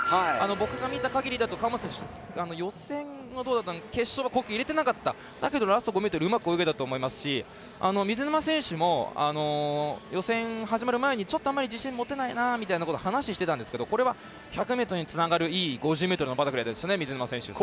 僕が見たかぎりだと川本選手決勝、入れてなかっただけどラスト５ｍうまく泳げたと思いますし水沼選手も予選始まる前に自信あんまり持てないなと話をしてたんですが１００ｍにつながるいい５０ｍのバタフライでしたね水沼選手。